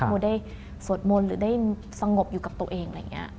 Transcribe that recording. โมได้สวรรค์โมนหรือได้สงบอยู่กับตัวเอง